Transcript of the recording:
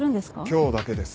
今日だけです。